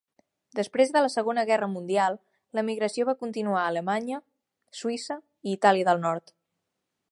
Després de la Segona Guerra Mundial, l'emigració va continuar a Alemanya, Suïssa i Itàlia del Nord.